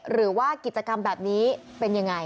หรือว่ากิจกรรมแบบนี้เป็นยังไง